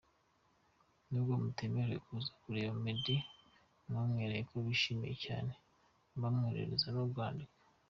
N'ubwo batemerewe kuza kureba Meddy bamwegereye, bari bishimiye cyane bamwoherereza n'urwandiko.